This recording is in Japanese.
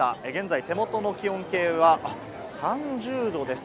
現在、手元の気温計は３０度です。